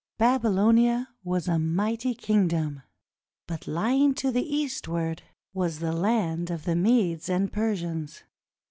Babylonia was a mighty kingdom, but lying to the east ward was the land of the Medes and Persians.